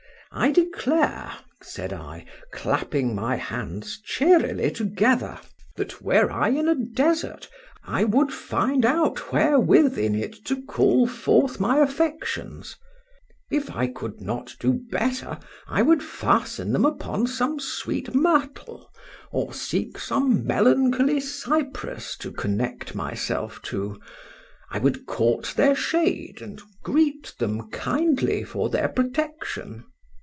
I declare, said I, clapping my hands cheerily together, that were I in a desert, I would find out wherewith in it to call forth my affections:—if I could not do better, I would fasten them upon some sweet myrtle, or seek some melancholy cypress to connect myself to;—I would court their shade, and greet them kindly for their protection.